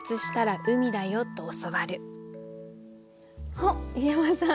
あっ湯山さん！